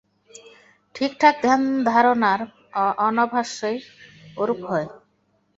ঠিকঠিক ধ্যানধারণার অনভ্যাসেই ওরূপ হয়।